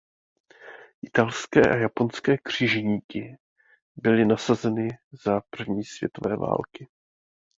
Italské a japonské křižníky byly nasazeny za první světové války.